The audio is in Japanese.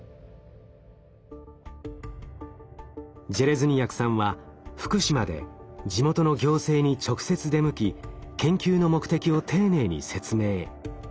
ジェレズニヤクさんは福島で地元の行政に直接出向き研究の目的を丁寧に説明。